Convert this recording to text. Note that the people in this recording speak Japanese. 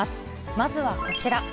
まずはこちら。